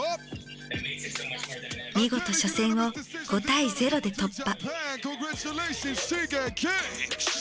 見事初戦を５対０で突破。